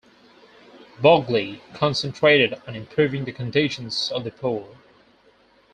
Bogle concentrated on improving the conditions of the poor.